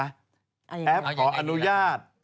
แอปขออนุญาต